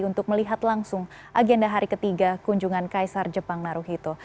untuk melihat langsung agenda hari ketiga kunjungan kaisar jepang naruhito